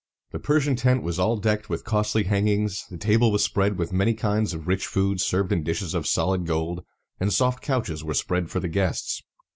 The Persian tent was all decked with costly hangings, the table was spread with many kinds of rich food served in dishes of solid gold, and soft couches were spread for the guests.